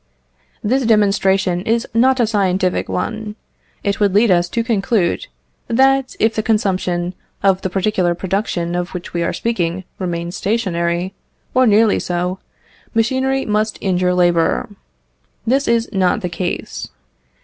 This demonstration is not a scientific one. It would lead us to conclude, that if the consumption of the particular production of which we are speaking remains stationary, or nearly so, machinery must injure labour. This is not the case.